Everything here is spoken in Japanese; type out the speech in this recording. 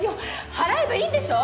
払えばいいんでしょ！？